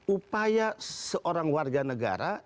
upaya seorang warga negara